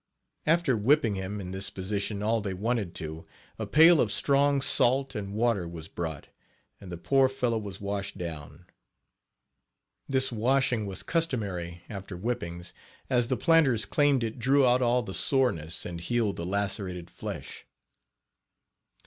After whipping him, Page 25 in this position, all they wanted to, a pail of strong salt and water was brought, and the poor fellow was "washed down." This washing was customary, after whippings, as the planters claimed it drew out all the soreness, and healed the lacerated flesh.